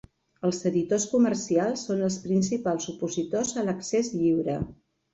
Els editors comercials són els principals opositors a l'accés lliure.